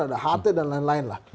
ada ht dan lain lain lah